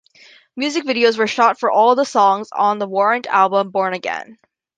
Music Videos were shot for all the songs on the Warrant album "Born Again".